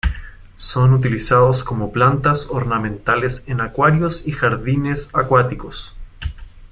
Son utilizadas como plantas ornamentales en acuarios y jardines acuáticos.